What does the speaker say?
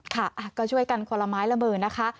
ค่ะก็ช่วยกันขวาลไม้ละเมิดนะคะ